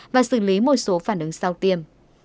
và xử lý một số phản ứng sau tiêm